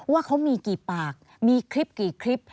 ว่าเขามีกี่ปากมีคลิปกี่คลิป